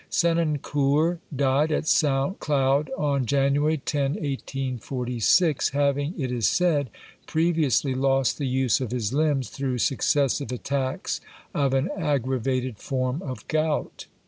Senancour died at St. Cloud on January lo, 1846, having, it is said, previously lost the use of his limbs through successive attacks of an aggravated form of gout.